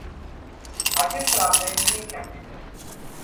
აჩენს რამდენიმე ჩანჩქერს.